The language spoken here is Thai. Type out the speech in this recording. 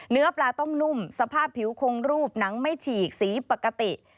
เนื้อปลาต้องนุ่มสภาพผิวคงรูปหนังไม่ฉีกสีปกติ